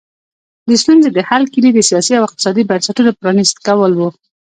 د ستونزې د حل کیلي د سیاسي او اقتصادي بنسټونو پرانیست کول وو.